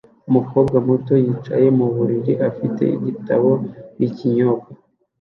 Umukobwa muto yicaye mu buriri afite igitabo n'ikinyobwa